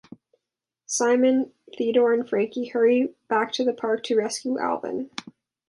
Simon, Theodore, and Frankie hurry back to the park to rescue Alvin.